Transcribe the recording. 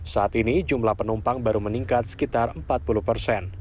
saat ini jumlah penumpang baru meningkat sekitar empat puluh persen